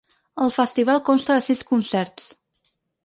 El festival consta de sis concerts.